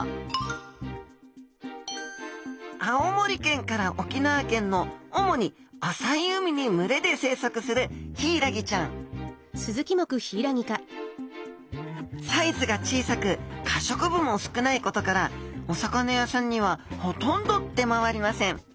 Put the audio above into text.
青森県から沖縄県の主に浅い海に群れで生息するヒイラギちゃんサイズが小さく可食部も少ないことからお魚屋さんにはほとんど出回りません。